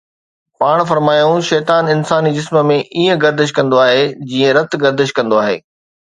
پاڻ فرمايائون: شيطان انساني جسم ۾ ائين گردش ڪندو آهي جيئن رت گردش ڪندو آهي